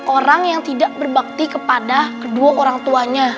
orang yang tidak berbakti kepada kedua orang tuanya